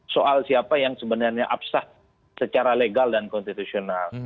soal siapa yang sebenarnya absah secara legal dan konstitusional